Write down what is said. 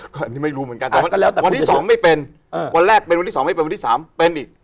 ก็อันนี้ไม่รู้เหมือนกันวันที่สองไม่เป็นวันแรกเป็นวันที่สองไม่เป็นวันที่สามเป็นอีก